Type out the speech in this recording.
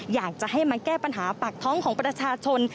อยากจะให้มาแก้ปัญหาปากท้องของประชาชน